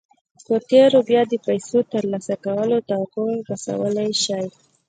په تېره بیا د پیسو ترلاسه کولو توقع رسولای شئ